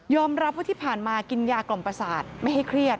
รับว่าที่ผ่านมากินยากล่อมประสาทไม่ให้เครียด